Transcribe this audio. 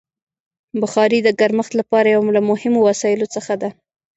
بخاري د ګرمښت لپاره یو له مهمو وسایلو څخه ده.